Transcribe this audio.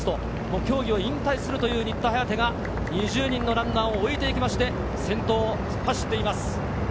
競技を引退するという新田颯が２０人のランナーを置いていきまして、先頭を突っ走っています。